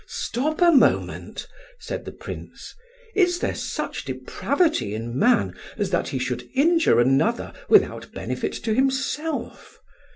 "Stop a moment," said the Prince; "is there such depravity in man as that he should injure another without benefit to himself?